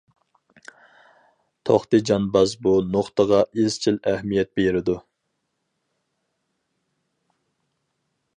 توختى جانباز بۇ نۇقتىغا ئىزچىل ئەھمىيەت بېرىدۇ.